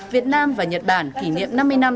việt nam và nhật bản kỷ niệm năm mươi năm